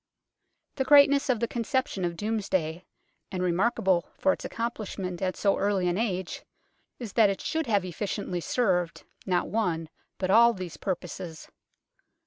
The greatness of the conception of Domesday, and remarkable for its accomplishment at so early an age, is that it should have efficiently served, not one, but all these purposes.